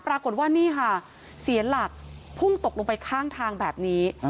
ปรากฏว่านี่ค่ะเสียหลักพุ่งตกลงไปข้างทางแบบนี้